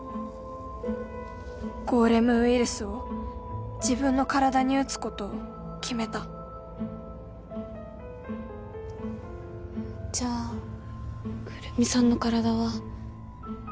ゴーレムウイルスを自分の体に打つことを決めたじゃあ来美さんの体は。